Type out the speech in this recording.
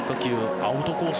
アウトコース